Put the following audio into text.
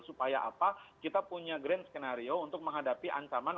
supaya apa kita punya grand skenario untuk menghadapi ancaman